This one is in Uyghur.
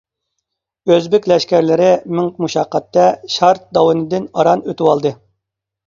ئۆزبېك لەشكەرلىرى مىڭ مۇشەققەتتە شارت داۋىنىدىن ئاران ئۆتۈۋالدى.